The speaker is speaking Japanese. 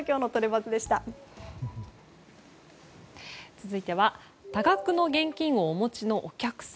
続いては多額の現金をお持ちのお客様。